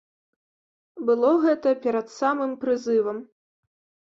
Было гэта перад самым прызывам.